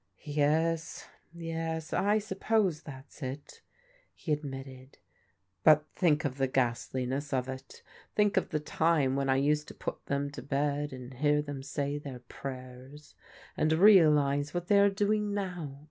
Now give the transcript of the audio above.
"Yes, yes, I suppose that's it," he admitted; "but think of the ghastliness of it. Think of the time when I used to put them to bed and hear them say their prayers ; and realize what they are doing now.